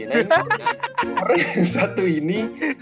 nah ini yang satu ini